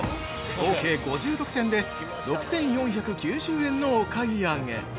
合計５６点で６４９０円のお買い上げ！